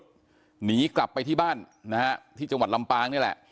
ลูกสาวนิรนุษย์หนีกลับไปที่บ้านที่จังหวัดลำปางนี่แหละ